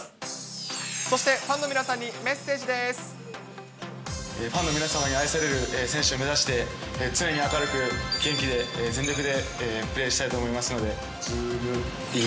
そして、ファンの皆さんにメッセファンの皆様に愛される選手を目指して、常に明るく、元気で、全力でプレーしたいと思いますので。